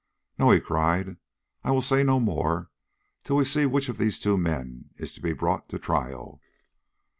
"No," he cried, "I will say no more till we see which of these two men is to be brought to trial."